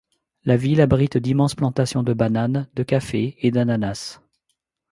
La ville abrite d'immenses plantations de bananes, de café et d'ananas.